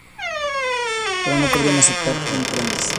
Pero no podrían aceptar entrantes.